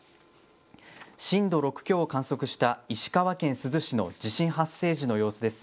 震度６強を観測した石川県珠洲市の地震発生時の様子です。